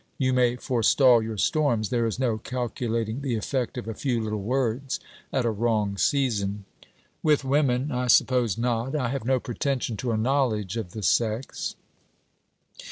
You may forestall your storms. There is no calculating the effect of a few little words at a wrong season.' 'With women! I suppose not. I have no pretension to a knowledge of the sex.'